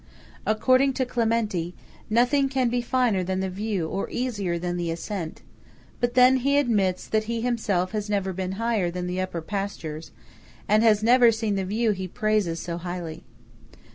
According to Clementi, nothing can be finer than the view or easier than the ascent; but then he admits that he himself has never been higher than the upper pastures, and has never seen the view he praises so highly.